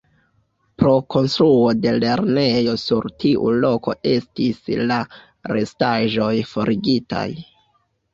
Pro konstruo de lernejo sur tiu loko estis la restaĵoj forigitaj.